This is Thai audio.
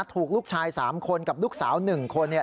ถูกลูกชาย๓คนกับลูกสาว๑คน